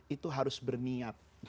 itu harus berniat